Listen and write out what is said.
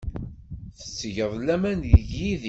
Tettgeḍ laman deg Yidir.